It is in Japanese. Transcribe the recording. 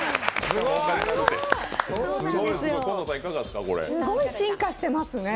すごい進化してますね。